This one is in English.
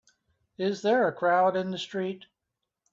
Is there a crowd in the street?